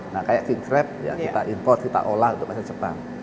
nah kayak king crab kita import kita olah untuk masak di jepang